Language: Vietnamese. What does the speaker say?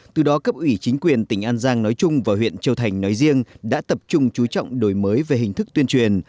từ đó cấp ủy chính quyền tỉnh an giang nói chung và huyện châu thành nói riêng đã tập trung chú trọng đổi mới về hình thức tuyên truyền